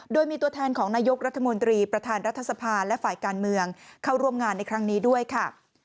โดยมีตัวแทนของนายกรัฐมนตรีประธานรัฐสภาและฝ่ายการเมืองเข้าร่วมงานในครั้งนี้ด้วยค่ะ